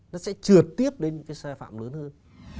nó sẽ trượt tiếp đến những cái sai phạm lớn hơn